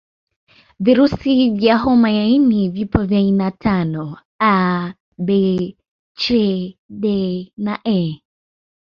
Virusi vya homa ya ini vipo vya aina tano A B C D E